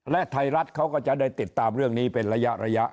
และไทยรัฐเขาก็จะได้ติดตามเรื่องนี้เป็นระยะ